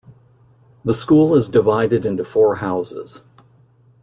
The school is divided into four houses.